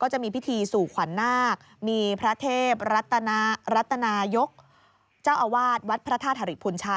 ก็จะมีพิธีสู่ขวัญนาคมีพระเทพรัตนรัตนายกเจ้าอาวาสวัดพระธาตุธริพุนชัย